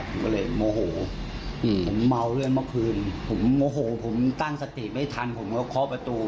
ผมก็เลยโมโหผมเมาด้วยเมื่อคืนผมโมโหผมตั้งสติไม่ทันผมก็เคาะประตู